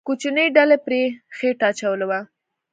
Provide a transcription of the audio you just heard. کوچنۍ ډلې پرې خېټه اچولې وه.